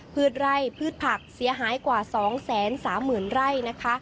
ไร่พืชผักเสียหายกว่า๒๓๐๐๐ไร่นะคะ